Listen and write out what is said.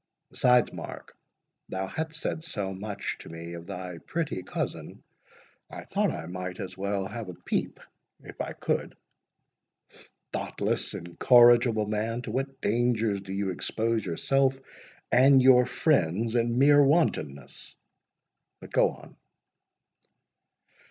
Besides, Mark, thou hadst said so much to me of thy pretty cousin, I thought I might as well have a peep, if I could." "Thoughtless, incorrigible man! to what dangers do you expose yourself and your friends, in mere wantonness!—But go on."